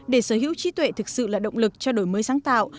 để sở hữu trí tuệ thực sự là động lực cho đổi mới sáng tạo